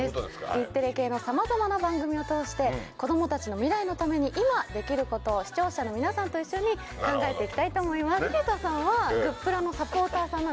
日テレ系の様々な番組を通して子どもたちの未来のために今できることを視聴者の皆さんと一緒に考えていきたいと思います。